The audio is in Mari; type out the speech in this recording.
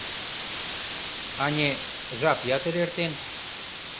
— Ане, жап ятыр эртен.